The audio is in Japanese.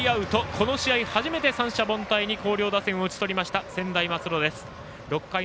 この試合初めて三者凡退に広陵打線を打ち取りました。